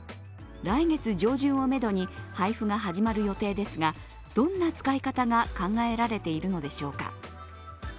来月上旬をめどに配布が始まる予定ですが、どんな使い方が考えられているのでしょうか。